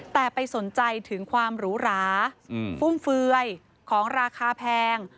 แต่ไปสนใจถึงความหรูหราฟุ่มเฟือยของราคาแพง